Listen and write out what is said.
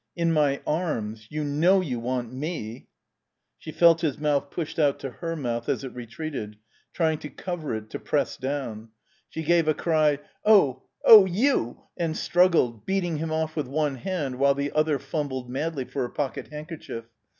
"In my arms. You know you want me " She felt his mouth pushed out to her mouth as it retreated, trying to cover it, to press down. She gave a cry: "Oh oh, you " and struggled, beating him off with one hand while the other fumbled madly for her pocket handkerchief.